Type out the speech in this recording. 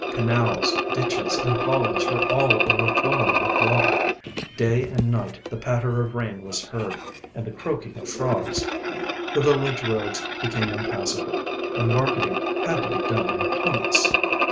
Canals, ditches, and hollows were all overflowing with water. Day and night the patter of rain was heard, and the croaking of frogs. The village roads became impassable, and marketing had to be done in punts.